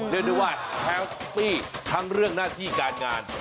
เรียกได้ว่าแฮปปี้ทั้งเรื่องหน้าที่การงาน